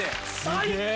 最高！